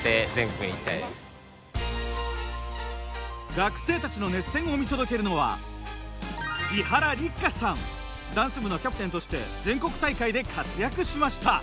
学生たちの熱戦を見届けるのはダンス部のキャプテンとして全国大会で活躍しました。